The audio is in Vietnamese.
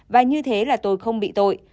và như thế là tôi không bị tội